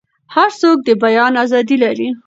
هر څوک د بیان ازادي لري.